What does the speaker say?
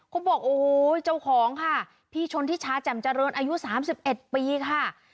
เขาบอกโอ้โหเจ้าของค่ะพี่ชนทิชาแจ่มเจริญอายุ๓๑ปีค่ะ